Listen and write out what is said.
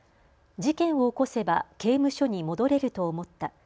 事件を起こせば刑務所に戻れると思った。